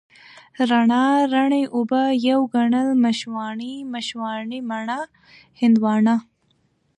رڼا، رڼې اوبه، يو ګڼل، مشواڼۍ، مشواڼې، مڼه، هندواڼه،